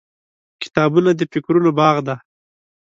• کتابونه د فکرونو باغ دی.